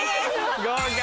合格！